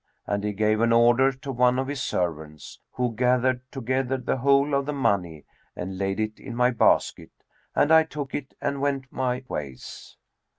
And he gave an order to one of his servants, who gathered together the whole of the money and laid it in my basket; and I took it and went my ways.